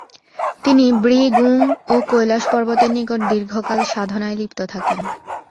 তিনি 'ব্রি-গুং ও কৈলাশ পর্বতের নিকট দীর্ঘকাল সাধনায় লিপ্ত থাকেন।